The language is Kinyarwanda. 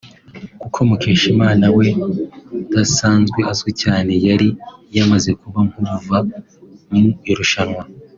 kuko Mukeshimana we udasanzwe azwi cyane yari yamaze kuba nk’uva mu irushanwa